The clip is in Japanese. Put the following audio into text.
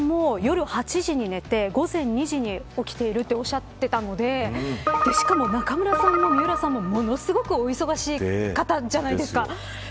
水卜さんも夜８時に寝て午前２時に起きてるとおっしゃっていたのでしかも中村さんも水卜さんもものすごくお忙しい方じゃないですか。